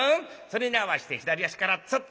それに合わせて左足からツッ。